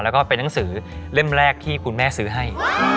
แล้วก็เป็นหนังสือเล่มแรกที่คุณแม่ซื้อให้